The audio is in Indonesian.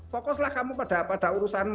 fokuslah kamu pada urusanmu